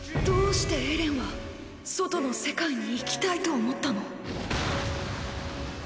どうしてエレンは外の世界に行きたいと思ったの？